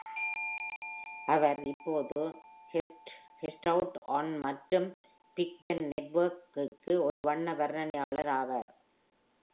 அவர் இப்போது Westwood one மற்றும் big Ten நெட்வொர்க்-கிற்கு ஒரு வண்ண வர்ணனையாளர் ஆவார்.